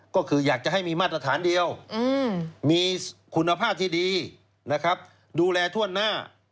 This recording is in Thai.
ก็คืออยากจะให้มีมาตรฐานเดียวมีคุณภาพที่ดีนะครับดูแลถ้วนหน้า